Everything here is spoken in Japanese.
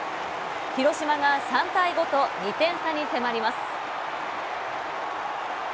広島が３対５と、２点差に迫ります。